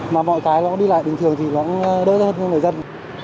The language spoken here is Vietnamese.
mà mọi cái nó đi lại bình thường thì nó đỡ hơn người dân